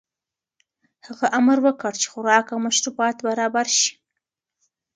هغه امر وکړ چې خوراک او مشروبات برابر شي.